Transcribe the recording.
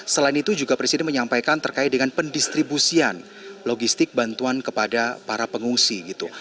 selain itu juga presiden menyampaikan terkait dengan pendistribusian logistik bantuan kepada para pengungsi gitu